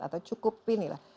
atau cukup ini lah